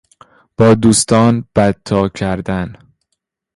با دوستان بدتا کردن